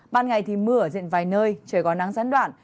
ban ngày thì mưa ở diện vài nơi trời có nắng gián đoạn